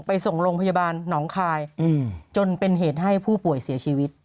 ไปส่งโรงพยาบาลหนองคายจนเป็นเหตุให้ผู้ป่วยเสียชีวิต